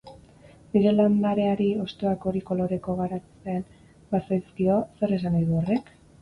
Nire landareari hostoak hori koloreko geratzen bazaizkio, zer esan nahi du horrek?